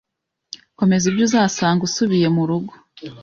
Komeza ibyo uzasanga usubiye murugo.